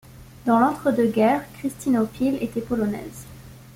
Dans l'entre-deux-guerres, Krystynopil était polonaise.